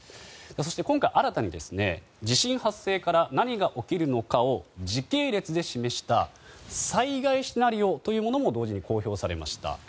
そして今回新たに地震発生から何が起きるのかを時系列で示した災害シナリオというものも同時に公表されました。